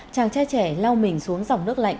chàng trai trẻ lau mình xuống dòng nước lạnh